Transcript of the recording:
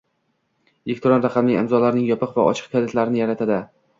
elektron raqamli imzolarning yopiq va ochiq kalitlarini yaratadi;